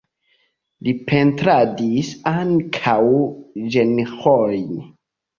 Li pentradis ankaŭ ĝenrojn.